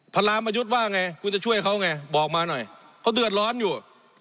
พระรามยุทธ์ว่าไงคุณจะช่วยเขาไงบอกมาหน่อยเขาเดือดร้อนอยู่